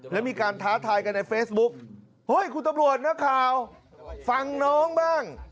แล้วมีการท้าทายกันในเฟซบุ๊กเฮ้ยคุณตำรวจนักข่าวฟังน้องบ้าง